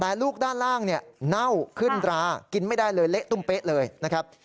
แต่ลูกด้านล่างเนี่ยเน่าขึ้นรากินไม่ได้เลยเละตุ้มเป๊ะเลยนะครับ